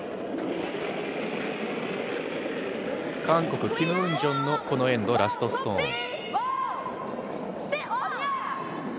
韓国、キム・ウンジョンのこのエンド、ラストストーン。